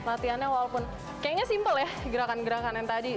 latihannya walaupun kayaknya simpel ya gerakan gerakan yang tadi